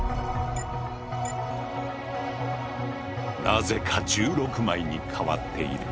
なぜか１６枚に変わっている。